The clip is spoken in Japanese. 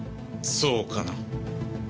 そうかな？